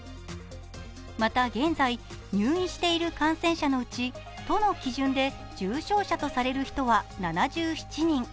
また現在、入院している感染者のうち都の基準で重症者とされる人は７７人。